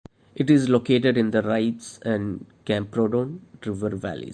It is located in the Ribes and Camprodon river valleys.